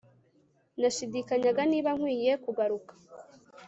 nashidikanyaga niba nkwiye kugaruka